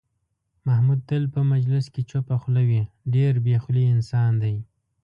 محمود تل په مجلس کې چوپه خوله وي، ډېر بې خولې انسان دی.